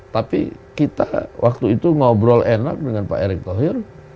tapi kita waktu itu ngobrol enak dengan pak erick thohir